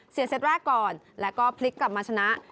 เซตแรกก่อนแล้วก็พลิกกลับมาชนะ